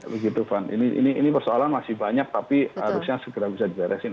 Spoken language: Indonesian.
begitu fan ini persoalan masih banyak tapi harusnya segera bisa diberesin